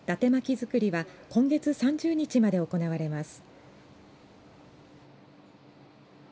づくりは今月３０日まで行われます。